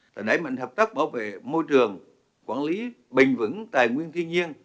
là nảy mạnh hợp tác bảo vệ môi trường quản lý bình vững tài nguyên thiên nhiên